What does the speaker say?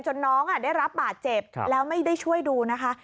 น้องได้รับบาดเจ็บแล้วไม่ได้ช่วยดูนะคะ